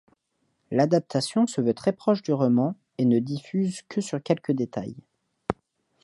L'adaptation se veut très proche du roman et ne diffère que sur quelques détails.